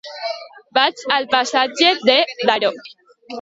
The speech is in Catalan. Vaig al passatge de Daró.